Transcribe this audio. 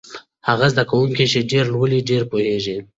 هغه زده کوونکی چې ډېر لولي ډېر پوهېږي.